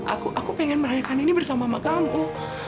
aku aku pengen merayakan ini bersama makamu